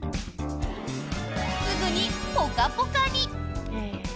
すぐにポカポカに。